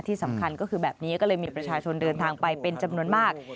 ที่สำคัญก็คือแบบนี้ก็เลยมีประชาชนเดินทางไปเป็นจำนวนมาก